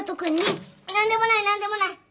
何でもない何でもない。